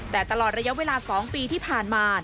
แต่ตลอดระยะเวลา๒ปีที่ผ่านมา